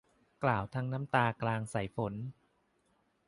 กล่าวทั้งน้ำตากลางสายฝน